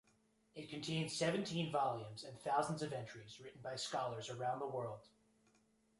It contains seventeen volumes and thousands of entries written by scholars around the world.